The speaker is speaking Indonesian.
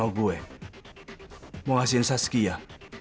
anda ingin memberikan sazkiyah